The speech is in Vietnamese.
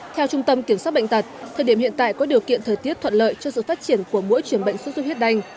theo trung tâm kiểm soát bệnh tật thời điểm hiện tại có điều kiện thời tiết thuận lợi cho sự phát triển của mỗi chuyển bệnh xuất xuất huyết đanh